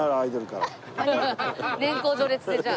年功序列でじゃあ。